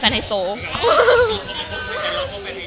มันคิดว่าจะเป็นรายการหรือไม่มี